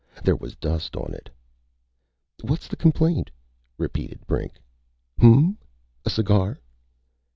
There was dust on it. "What's the complaint?" repeated Brink. "Hm m m. A cigar?"